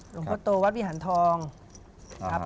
หลวงพ่อโตวัดวิหารทองครับ